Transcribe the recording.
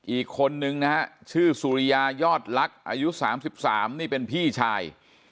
อีกคนนึงนะฮะชื่อสุริยายอดลักษณ์อายุ๓๓นี่เป็นพี่ชาย